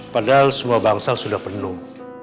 padahal semua bangsa sudah penuh